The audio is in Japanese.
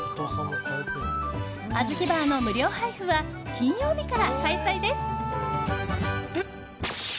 あずきバーの無料配布は金曜日から開催です。